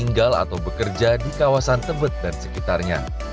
tinggal atau bekerja di kawasan tebet dan sekitarnya